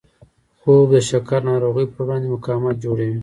خوب د شکر ناروغۍ پر وړاندې مقاومت جوړوي